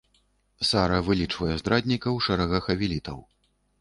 Сара вылічвае здрадніка ў шэрагах авелітаў.